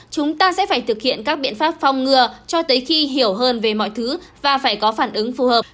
chúng ta sẽ phải thực hiện các biện pháp phong ngừa cho tới khi hiểu hơn về mọi thứ và phải có phản ứng phù hợp